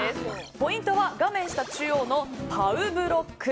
ポイントは画面下中央のＰＯＷブロック。